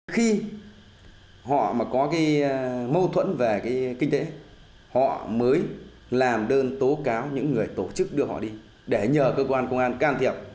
khi họ mà có cái mâu thuẫn về kinh tế họ mới làm đơn tố cáo những người tổ chức đưa họ đi để nhờ cơ quan công an can thiệp